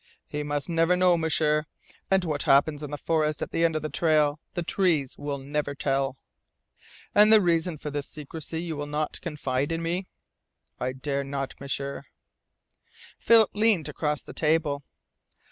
"He must never know, M'sieur. And what happens in the forest at the end of the trail the trees will never tell." "And the reason for this secrecy you will not confide in me?" "I dare not, M'sieur." Philip leaned across the table.